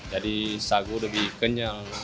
jadi sagu lebih kenyal